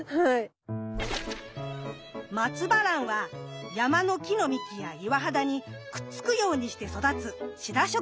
マツバランは山の木の幹や岩肌にくっつくようにして育つシダ植物。